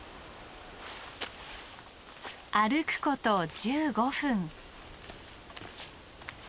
歩くこと１５分。